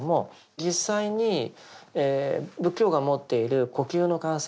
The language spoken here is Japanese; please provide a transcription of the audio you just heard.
実際に仏教が持っている呼吸の観察